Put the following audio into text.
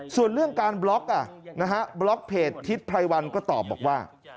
ส่วนเรื่องการบล็อกบล็อกเพจทิศไพรวันก็ตอบบอกว่า